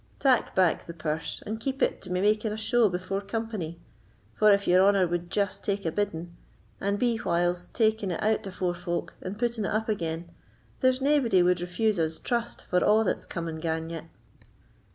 Tak back the purse, and keep it to be making a show before company; for if your honour would just take a bidding, and be whiles taking it out afore folk and putting it up again, there's naebody would refuse us trust, for a' that's come and gane yet."